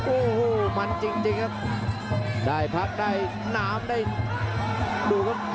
โอ้โหมันจริงครับได้พักได้หนามได้ดู